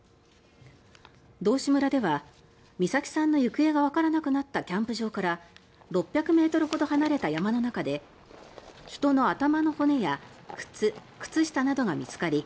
道志村では美咲さんの行方がわからなくなったキャンプ場から６００ｍほど離れた山の中で人の頭の骨や靴、靴下などが見つかり